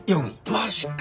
マジか。